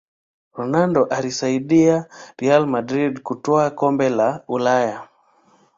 ronaldo aliisaidia real madrid kutwaa kombe la ulaya